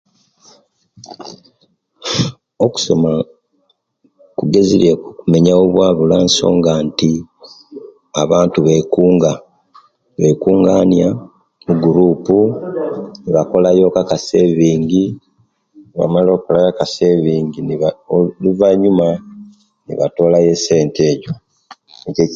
"Okusoma kugezeryeeku okumenyawo obwavu lwansonga nti abantu bekunga bekungaania omugurupu nibakolayooku ""akasevingi"", obubamala o'kukola ""akasevingi"", oluvanyuma, nibatoolayo essente ejjo."